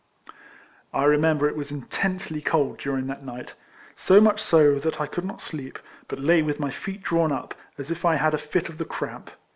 I remember it was intensely cold during that night. So much so that I could not sleep, but la}^ with my feet drawn up, as if I had a fit of the cramp.